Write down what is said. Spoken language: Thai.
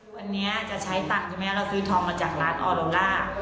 วันนี้จะใช้ตังค์ใช่ไหมเราซื้อทองมาจากร้านออโลล่า